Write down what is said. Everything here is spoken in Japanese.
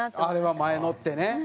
あれは前乗ってね。